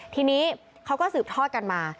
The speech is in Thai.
ทีนี้เขาก็สืบทอดกันมา